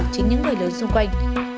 chính những người lớn xung quanh